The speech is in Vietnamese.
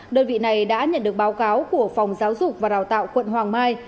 đơn vị này đã nhận được báo cáo của phòng giáo dục và đào tạo quận hoàng mai